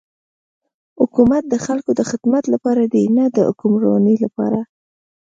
حکومت د خلکو د خدمت لپاره دی نه د حکمرانی لپاره.